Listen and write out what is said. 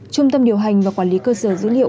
trung tâm điều hành và quản lý cơ sở dữ liệu